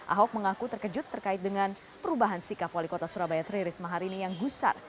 ahok mengaku terkejut terkait dengan perubahan sikap wali kota surabaya tri risma hari ini yang gusar